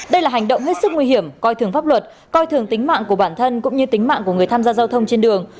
đây là hành động hết sức nguy hiểm coi thường pháp luật coi thường tính mạng của bản thân cũng như tính mạng của người tham gia giao thông trên đường